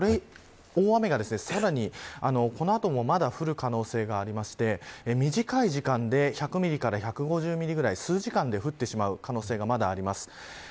大雨が、さらにこの後もまだ降る可能性がありまして短い時間で１００ミリから１５０ミリぐらい数時間で降ってしまう可能性がまだあります。